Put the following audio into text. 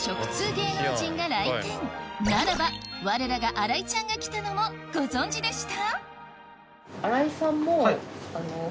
ならばわれらが新井ちゃんが来たのもご存じでした？